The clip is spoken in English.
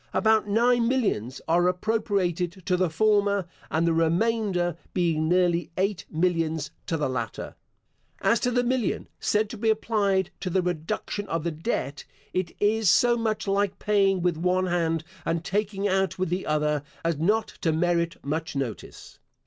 About nine millions are appropriated to the former; and the remainder, being nearly eight millions, to the latter. As to the million, said to be applied to the reduction of the debt, it is so much like paying with one hand and taking out with the other, as not to merit much notice.